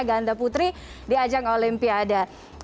ganda putri di ajang olimpiade